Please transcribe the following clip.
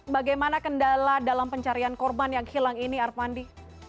bagaimana kendala dalam pencarian korban yang hilang ini arpandi